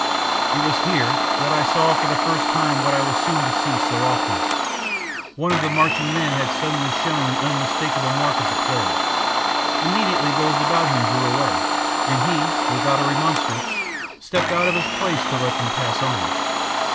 "It was here that I saw for the first time what I was soon to see so often. One of the marching men had suddenly shown the unmistakable mark of the plague. Immediately those about him drew away, and he, without a remonstrance, stepped out of his place to let them pass on.